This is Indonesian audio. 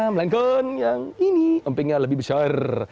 melainkan yang ini empingnya lebih besar